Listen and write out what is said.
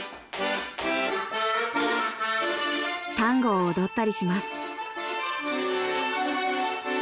［タンゴを踊ったりします］